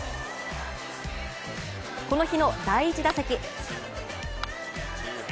この日の第１打席。